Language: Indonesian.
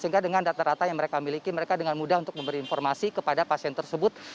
sehingga dengan data data yang mereka miliki mereka dengan mudah untuk memberi informasi kepada pasien tersebut